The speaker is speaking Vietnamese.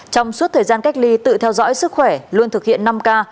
trong suốt thời gian cách ly tự theo dõi sức khỏe luôn thực hiện năm k